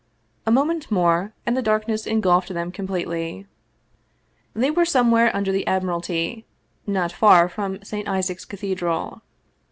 A moment more and the darkness engulfed them completely. They were somewhere under the Admiralty, not far from St. Isaac's Cathedral.